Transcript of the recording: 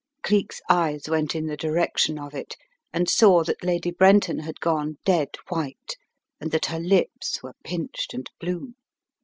Cleek's eyes went in the direction of it, and saw that Lady Brenton had gone dead white, and that her lips were pinched and blue.